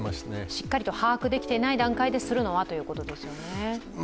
しっかり把握できていない段階でするのはということですよね。